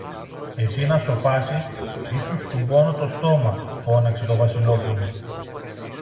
Εσύ να σωπάσεις ή σου στουμπώνω το στόμα, φώναξε το Βασιλόπουλο.